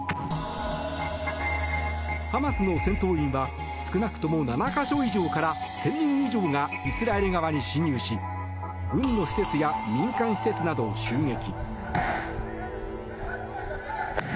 ハマスの戦闘員は少なくとも７か所以上から１０００人以上がイスラエル側に侵入し軍の施設や民間施設などを襲撃。